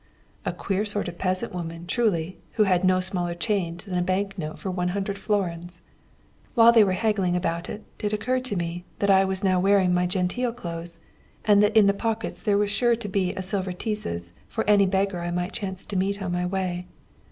A queer sort of peasant woman, truly, who had no smaller change than a bank note for 100 florins! While they were haggling about it, it occurred to me that I was now wearing my genteel clothes, and that in the pockets there was sure to be a silver tizes for any beggar I might chance to meet on my way.